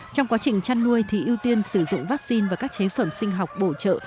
trong quá trình chăn nuôi thì ưu tiên sử dụng vaccine và các chế phẩm sinh học bổ trợ